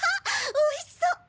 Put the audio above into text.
おいしそ！